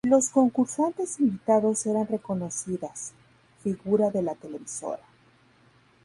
Los concursantes invitados eran reconocidas figura de la televisora.